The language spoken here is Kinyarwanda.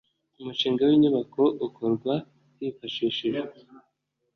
Umushinga w inyubako ukorwa hifashishijwe